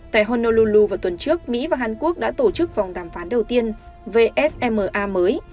tại honolulu vào tuần trước mỹ và hàn quốc đã tổ chức vòng đàm phán đầu tiên về sma mới